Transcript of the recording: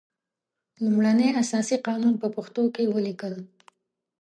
لومړنی اساسي قانون په پښتو ولیکل.